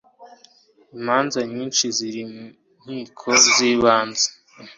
imanza nyishi ziri mu nkiko z ibanze